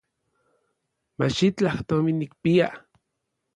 Machitlaj tomin nikpia.